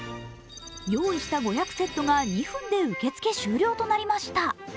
用意した５００セットが２分で受け付け終了となりました。